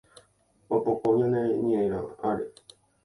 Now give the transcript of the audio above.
Opoko ñane ñe'ãre